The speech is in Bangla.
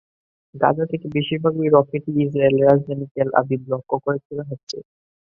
গাজা থেকে বেশির ভাগ রকেটই ইসরায়েলের রাজধানী তেল আবিব লক্ষ্য করে ছোড়া হচ্ছে।